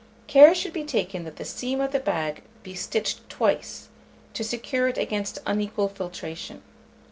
Care should be taken that the seam of the bag be stitched twice, to secure it against unequal filtration.